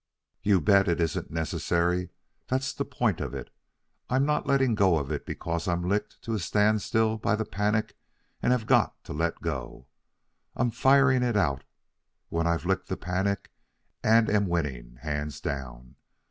"You bet it isn't necessary. That's the point of it. I'm not letting go of it because I'm licked to a standstill by the panic and have got to let go. I'm firing it out when I've licked the panic and am winning, hands down.